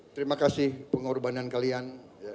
terima kasih pengorbanan kalian